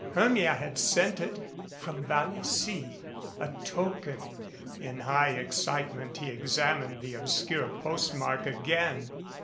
Hermia had sent it from Vallecy. A token. In high excitement he examined the obscure postmark again.